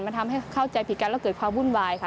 มันทำให้เข้าใจผิดกันแล้วเกิดความวุ่นวายค่ะ